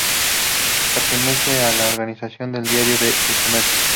Pertenece a la organización de diario El Comercio.